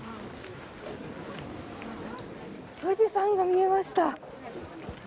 富士山が見えました。